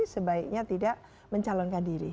sebaiknya tidak mencalonkan diri